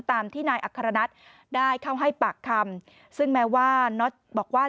ตามที่นายอัครนัทได้เข้าให้ปากคำซึ่งแม้ว่าน็อตบอกว่า